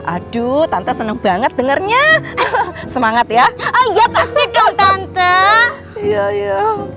aduh tante seneng banget dengernya semangat ya oh ya pasti dong tante ya ya